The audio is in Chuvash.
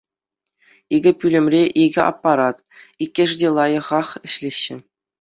Икӗ пӳлӗмре икӗ аппарат, иккӗшӗ те лайӑхах ӗҫлеҫҫӗ.